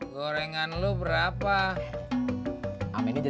gorengan lo berapa